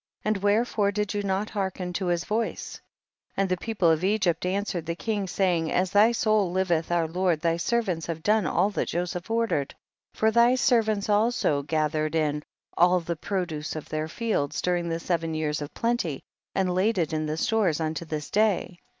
and wherefore did you not hearken to his voice ? 23. And the people of Egypt an swered the king, saying, as thy soul liveth, our lord, thy servants have done all that Joseph ordered, for thy servants also gathered in all the pro duce of their fields during the seven years of plenty and laid it in the stores unto this day.